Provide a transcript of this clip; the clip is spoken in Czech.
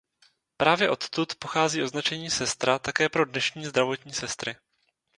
Právě odtud pochází označení "sestra" také pro dnešní zdravotní sestry.